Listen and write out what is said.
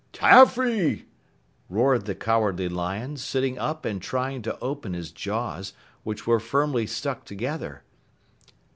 "Taffy!" roared the Cowardly Lion, sitting up and trying to open his jaws, which were firmly stuck together.